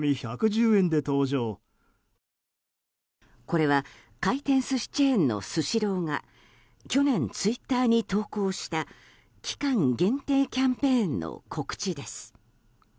これは回転寿司チェーンのスシローが去年ツイッターに投稿した期間限定キャンペーンの告知です。